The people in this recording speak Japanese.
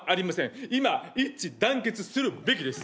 今一致団結するべきです。